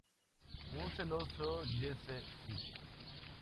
Un celoso Jesse St.